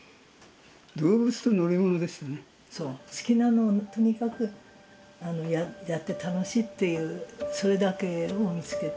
好きなのをとにかくやって楽しいっていうそれだけを見つけて。